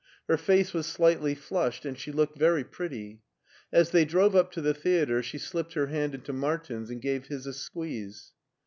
Her face was slightly flushed and she looked very pretty. As they drove up to the theater she slipped her hand into Martin's and gave his a squeeze.